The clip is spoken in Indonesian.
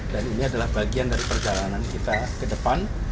dan ini adalah bagian dari perjalanan kita ke depan